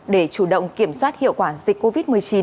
để chủ động kiểm soát hiệu quả dịch covid một mươi chín